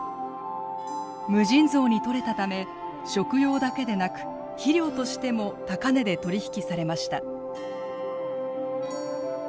無尽蔵に取れたため食用だけでなく肥料としても高値で取り引きされました。